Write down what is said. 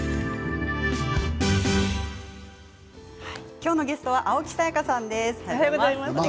きょうのゲストは青木さやかさんです。